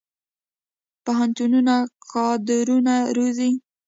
پوهنتونونه کادرونه روزي